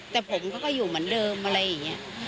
แต่ผมเขาก็อยู่เหมือนเดิมอะไรอย่างนี้